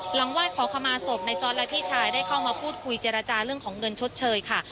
ไหว้ขอขมาศพในจอร์ดและพี่ชายได้เข้ามาพูดคุยเจรจาเรื่องของเงินชดเชยค่ะ